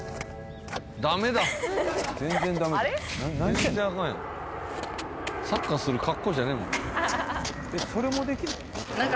ダメだ全然ダメじゃんサッカーする格好じゃねえもん